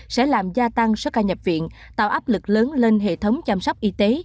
sẽ làm gia tăng số ca nhập viện tạo áp lực lớn lên hệ thống chăm sóc y tế